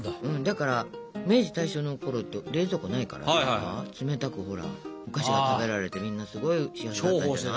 だから明治大正のころって冷蔵庫ないから冷たくほらお菓子が食べられてみんなすごい幸せになったんじゃない？